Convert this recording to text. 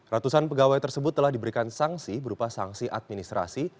ratusan pegawai tersebut telah diberikan sanksi berupa sanksi administrasi